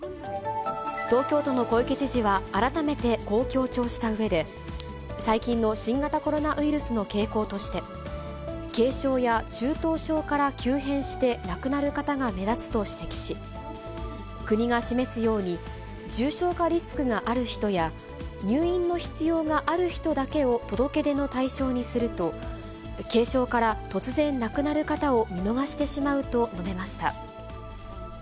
東京都の小池知事は、改めて、こう強調したうえで、最近の新型コロナウイルスの傾向として、軽症や中等症から急変して亡くなる方が目立つと指摘し、国が示すように、重症化リスクがある人や、入院の必要がある人だけを届け出の対象にすると、軽症から突然亡くなる方を見逃してしまうと述べました。